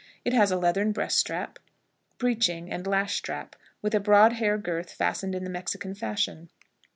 It has a leathern breast strap, breeching, and lash strap, with a broad hair girth fastened in the Mexican fashion.